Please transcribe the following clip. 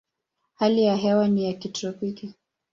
Hali ya hewa ni ya kitropiki.